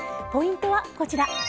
ポイントはこちら。